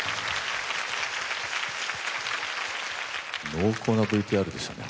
濃厚なＶＴＲでしたね。